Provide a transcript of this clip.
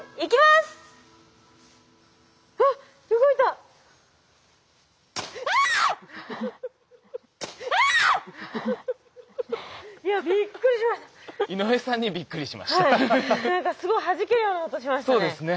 すごいはじけるような音しましたね。